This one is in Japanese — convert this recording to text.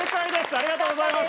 ありがとうございます。